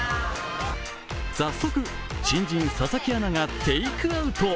早速、新人・佐々木アナがテイクアウト。